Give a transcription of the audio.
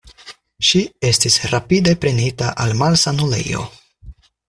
Ŝi estis rapide prenita al malsanulejo.